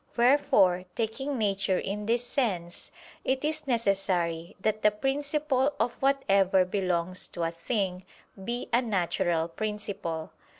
Wherefore, taking nature in this sense, it is necessary that the principle of whatever belongs to a thing, be a natural principle.